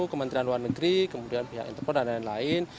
kementerian luar negeri kemudian pihak interpol dan lain lain